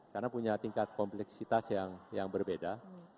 karena punya tingkat kompleksitas yang berbeda